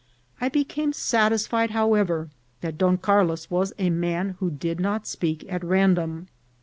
I became satisfied, however, that Don Carlos was a man who did not speak at random.